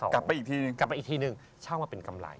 กลับไปอีกทีนึงกลับไปอีกทีนึงเช่ามาเป็นกำไร